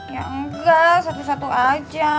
ya enggak satu satu aja